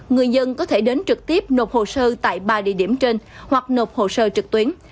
người dân có thể đến trực tiếp nộp hồ sơ tại ba địa điểm trên hoặc nộp hồ sơ trực tuyến